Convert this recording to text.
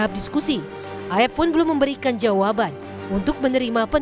kalau menjajakin pecahkan ini ya kami berusaha untuk menemukan